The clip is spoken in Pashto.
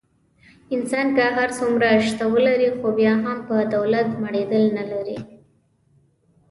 انسان که هر څومره شته ولري. خو بیا هم په دولت مړېدل نه لري.